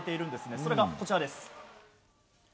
それが、こちらです。